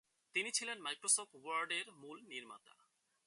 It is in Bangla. তিনি ছিলেন মাইক্রোসফট ওয়ার্ড এর মূল নির্মাতা।